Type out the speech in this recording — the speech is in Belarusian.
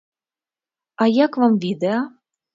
А як вам відэа?